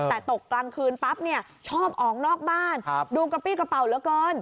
แต่ตกกลางคืนปั๊บเนี่ยชอบออกนอกบ้านดูกระปี้กระเป๋าเหลือเกิน